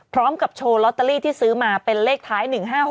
พร้อมกับโชว์ลอตเตอรี่ที่ซื้อมาเป็นเลขท้าย๑๕๖